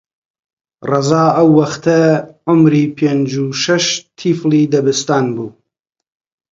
ڕەزا ئەو وەختە عومری پێنج و شەش تیفلی دەبستان بوو